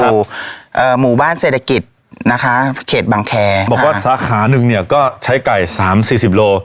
เอ่อหมู่บ้านเศรษฐกิจนะคะเขตบังแคร์บอกว่าสาขาหนึ่งเนี่ยก็ใช้ไก่สามสี่สิบโล